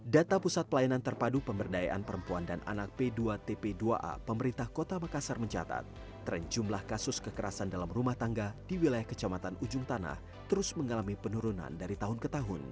dulu dia tidak tahu cara bagaimana menghargai orang